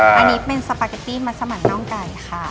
อันนี้เป็นสปาเกตตี้มัสมันน่องไก่ค่ะ